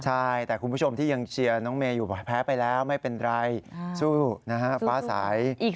ใช่แต่คุณผู้ชมที่ยังเชียร์น้องเมย์อยู่แพ้ไปแล้วไม่เป็นไรสู้นะฮะฟ้าใส